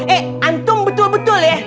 eh antung betul betul ya